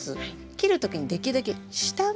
切る時にできるだけ下側。